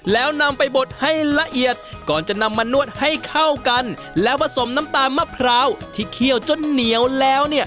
เข้ากันแล้วผสมน้ำตามะพร้าวที่เคี่ยวจนเหนียวแล้ว